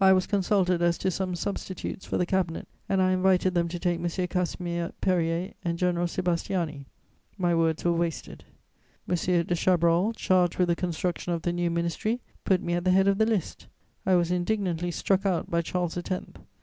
I was consulted as to some substitutes for the cabinet and I invited them to take M. Casimir Périer and General Sébastiani: my words were wasted. M. de Chabrol, charged with the construction of the new ministry, put me at the head of the list: I was indignantly struck out by Charles X. M.